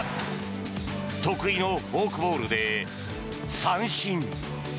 得意のフォークボールで三振。